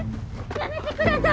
やめてください！